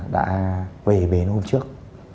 đã về bến hôm trước